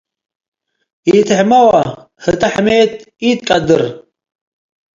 ኢትሕመወ ህተ ሕሜት ኢትቀድር